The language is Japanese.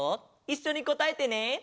いっしょにこたえてね。